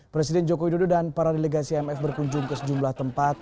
presiden joko widodo dan para delegasi imf berkunjung ke sejumlah tempat